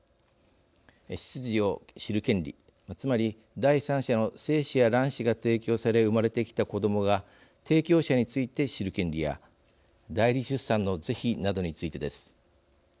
出自を知る権利つまり、第三者の精子や卵子が提供され生まれてきた子どもが提供者について知る権利や代理出産の是非などについてです。